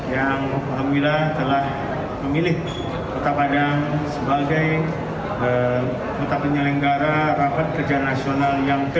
yang alhamdulillah telah memilih kota padang sebagai kota penyelenggara rapat kerja nasional yang ke tujuh puluh